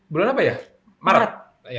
bulan apa ya maret